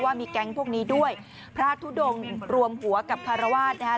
ว่ามีแก๊งพวกนี้ด้วยพระทุดงรวมหัวกับคารวาสนะฮะ